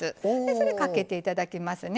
それ、かけていただきますね。